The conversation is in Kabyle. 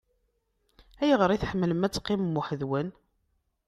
Ayɣer i tḥemmlem ad teqqimem weḥd-nwen?